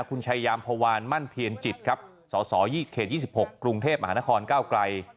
คุณชายามพวานมั่นเพียรจิตครับสสเขต๒๖กรุงเทพมหานครก้าวไกล